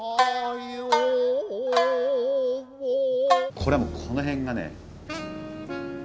これはもうこの辺がね